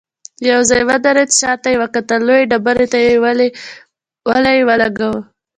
يو ځای ودرېده، شاته يې وکتل، لويې ډبرې ته يې ولي ولګول.